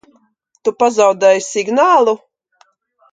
Tu pazaudēji signālu?